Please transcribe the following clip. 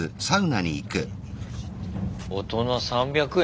大人３００円？